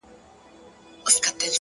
علم د انسان د راتلونکي بنسټ دی!.